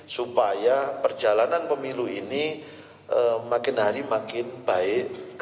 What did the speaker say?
supaya perjalanan pemilu ini makin hari makin baik